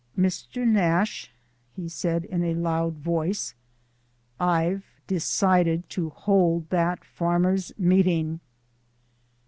"Mr. Nash," said he in a loud voice, "I've decided to hold that farmers' meeting."